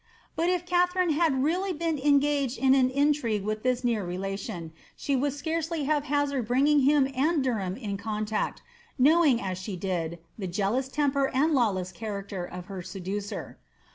Bat if Katharine had really been enga^ in an intrigae with thia near relation, she would scarcely have hanirded bringing him and Derham in contact, knowing, as she did, the jealous temper and lawless character of her seducer.